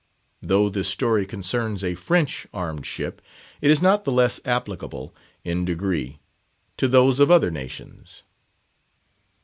Though this story concerns a French armed ship, it is not the less applicable, in degree, to those of other nations.